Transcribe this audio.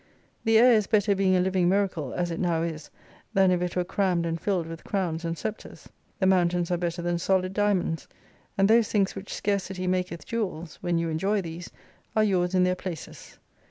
The air is better being a living miracle as it now is than if it were crammed and filled with crowns and sceptres. The mountains are better than solid diamonds, and those things which scarcity maketh jewels (when you enjoy these) are yours in their places.